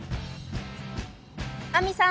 亜美さん